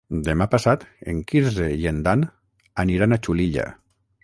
Demà passat en Quirze i en Dan aniran a Xulilla.